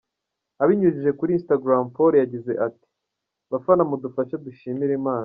Abinyujije kuri Instagram Paul yagize ati, “Bafana mudufashe dushimire Imana.